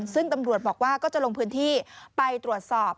ซึ่งตำรวจบอกว่าก็จะลงพื้นที่ไปตรวจสอบ